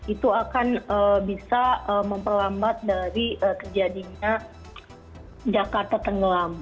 itu akan bisa memperlambat dari terjadinya jakarta tenggelam